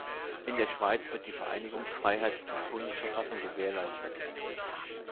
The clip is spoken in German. In der Schweiz wird die Vereinigungsfreiheit durch Bundesverfassung gewährleistet.